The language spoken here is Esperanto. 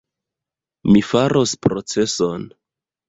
Mi faros proceson!